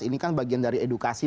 ini kan bagian dari edukasi mas yudra